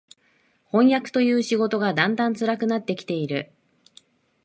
飜訳という仕事がだんだん辛くなって来ている